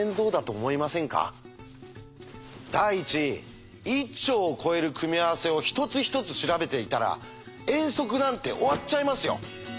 第一１兆を超える組み合わせを一つ一つ調べていたら遠足なんて終わっちゃいますよ。